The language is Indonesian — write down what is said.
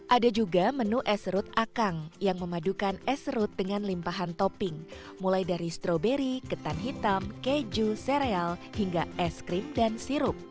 ada juga menu es serut akang yang memadukan es serut dengan limpahan topping mulai dari stroberi ketan hitam keju sereal hingga es krim dan sirup